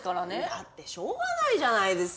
だってしょうがないじゃないですか。